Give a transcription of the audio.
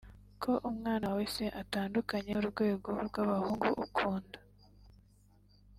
ko umwana wawe se atandukanye n’urwego rw’abahungu ukunda